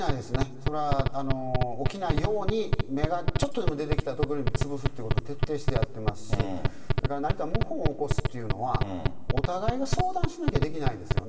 それは起きないように、芽がちょっとでも出てきたら潰すということを徹底してやってますし、何か謀反を起こすというのは、お互いが相談しなきゃできないですよね。